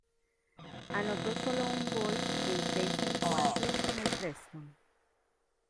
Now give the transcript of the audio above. Anotó solo un gol en seis encuentros con el Preston.